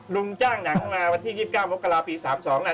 ลุงจ้างหนังมาวันที่๒๙มกราปี๓๒น่ะ